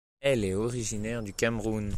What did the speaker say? Elle est originaire du Cameroun.